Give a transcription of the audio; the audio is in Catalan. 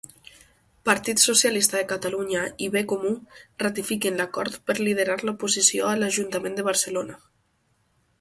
Partit Socialista de Catalunya i Bcomú ratifiquen l'acord per liderar l'oposició a l'Ajuntament de Barcelona.